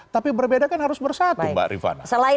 tapi berbeda kan harus bersatu mbak rifana